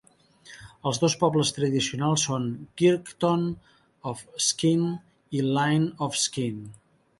Els dos pobles tradicionals són Kirkton of Skene i Lyne of Skene.